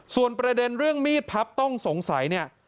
ส่วนประเด็นเรื่องมีดพับต้องสงสัยเนี่ย